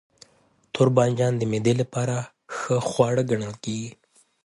توربانجان د معدې لپاره ښه خواړه ګڼل کېږي.